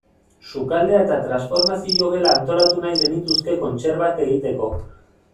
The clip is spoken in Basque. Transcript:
Sukaldea eta transformazio gela antolatu nahi genituzke kontserbak egiteko.